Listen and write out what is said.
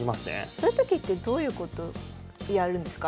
そういうときってどういうことやるんですか？